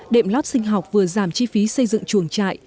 đệm lót sinh học vừa giảm chi phí xây dựng chuồng trại